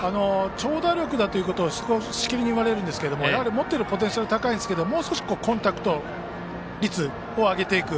長打力だということをしきりに言われるんですがやはり持っているポテンシャルは高いんですけどもう少しコンタクト、率を上げていく。